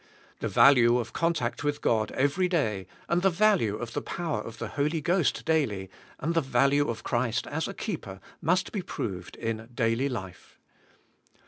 The value of contact with God every day, and the value of the power of the Holy Ghost daily, and the value of Christ as a keeper must be proved in daily life.